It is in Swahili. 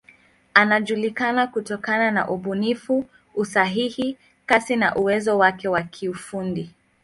Anajulikana kutokana na ubunifu, usahihi, kasi na uwezo wake wa kiufundi.